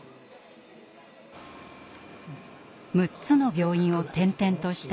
６つの病院を転々とした